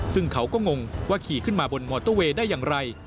ซึ่งเขาก็งงว่าขี่ขึ้นมาบนมอเตอร์เวย์ได้อย่างไร